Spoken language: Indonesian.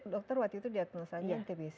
dokter waktu itu diagnosanya tbc